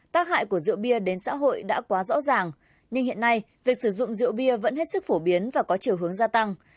tác hại của rượu bia đến xã hội đã quá rõ ràng nhưng hiện nay việc sử dụng rượu bia vẫn hết sức phổ biến và có chiều hướng gia tăng